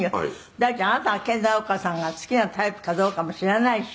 「第一あなたが研ナオコさんが好きなタイプかどうかも知らないし」